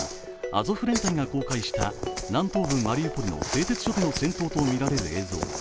アゾフ連隊が公開した南東部マリウポリの製鉄所での戦闘とみられる映像。